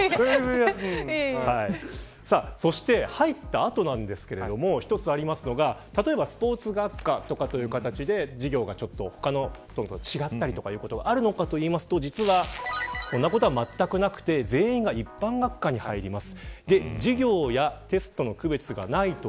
そして入った後なんですけれども一つありますのが例えばスポーツ学科とかいう形で授業が他と違ったりということがあるのかというと実はそんなことはまったくなくて全員が一般学科に入ります。